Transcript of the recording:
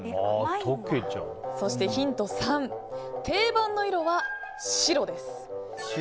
そして、ヒント３定番の色は白です。